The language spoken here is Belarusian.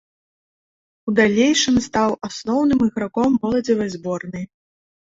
У далейшым стаў асноўным іграком моладзевай зборнай.